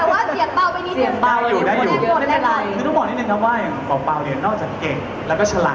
ด้วยความคิดว่าไม่ต้องเอาจูบชายผมมาสั่งนึงก็ชั่งแล้วนะครับเอ้ย